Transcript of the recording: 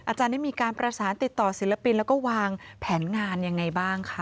อาจารย์ได้มีการประสานติดต่อศิลปินแล้วก็วางแผนงานยังไงบ้างคะ